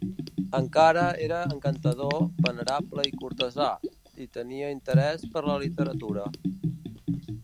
Encara era encantador, venerable i cortesà, i tenia interès per la literatura.